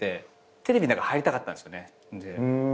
テレビの中入りたかったんですよね。